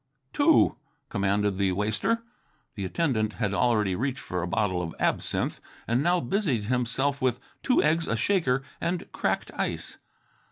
"Two," commanded the waster. The attendant had already reached for a bottle of absinthe, and now busied himself with two eggs, a shaker, and cracked ice.